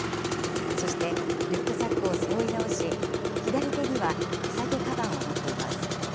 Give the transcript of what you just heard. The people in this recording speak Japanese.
そしてリュックサックを背負い直し、左手には手提げかばんを持っています。